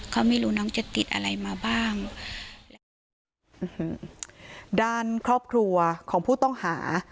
ก็ไม่รู้น้องจะติดอะไรมาบ้างและด้านครอบครัวของผู้ต้องหา